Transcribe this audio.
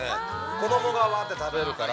子供が割って食べるから。